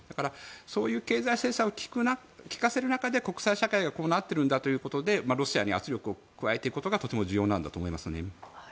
そういう経済制裁を効かせる中で国際社会がこうなっているんだとロシアに圧力を与えることが重要だと思いますね。